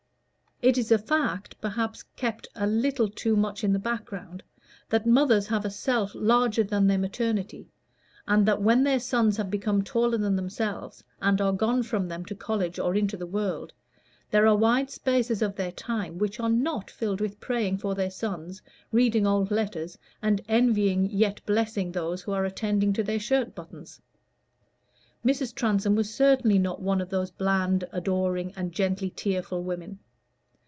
It is a fact perhaps kept a little too much in the background, that mothers have a self larger than their maternity, and that when their sons have become taller than themselves, and are gone from them to college or into the world, there are wide spaces of their time which are not filled with praying for their boys, reading old letters, and envying yet blessing those who are attending to their shirt buttons. Mrs. Transome was certainly not one of those bland, adoring, and gently tearful women.